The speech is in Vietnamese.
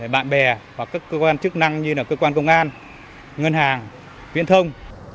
bạn bè hoặc các cơ quan chức năng như là cơ quan công an ngân hàng viễn thông